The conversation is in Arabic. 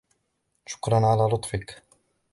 شكراً لكَ على لطفك.